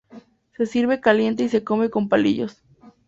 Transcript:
Se sirve caliente y se come con palillos.